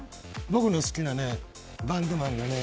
僕の好きなバンドマンがね